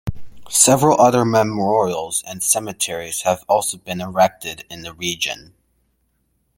Several other memorials and cemeteries have also been erected in the region.